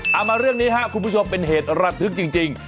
เอามาเรื่องนี้ค่ะคุณผู้ชมเป็นเหตุรัติธุ์จริง